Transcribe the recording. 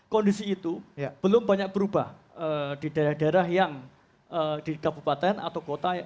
kondisi itu belum banyak berubah di daerah daerah yang di kabupaten atau kota